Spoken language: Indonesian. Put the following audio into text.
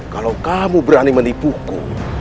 kalau kamu berani menipuku